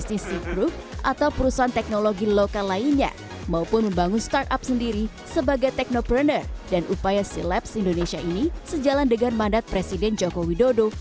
sileps indonesia juga diresmikan langsung oleh presiden joko widodo